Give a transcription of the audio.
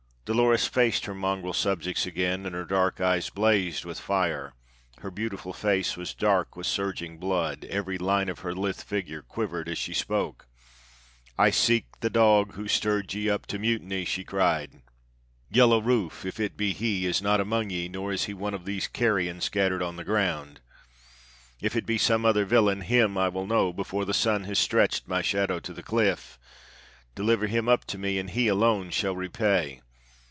Dolores faced her mongrel subjects again and her dark eyes blazed with fire, her beautiful face was dark with surging blood, every line of her lithe figure quivered as she spoke: "I seek the dog who stirred ye up to mutiny!" she cried. "Yellow Rufe, if it be he, is not among ye, nor is he one of these carrion scattered on the ground. If it be some other villain, him I will know before the sun has stretched my shadow to the cliff. Deliver him up to me, and he alone shall repay.